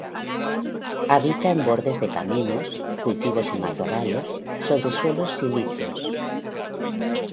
Habita en bordes de caminos, cultivos y matorrales, sobre suelos silíceos.